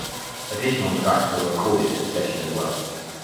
Additional tracks were recorded at the session as well.